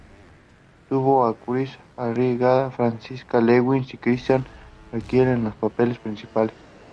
Tuvo a Cristián Arriagada, Francisca Lewin y Cristián Riquelme, en los papeles principales.